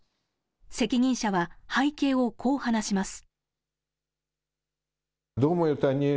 責任者は背景をこう話します。